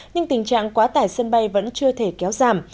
nhưng tình trạng quá tải sân bay vẫn chưa thể kéo giảm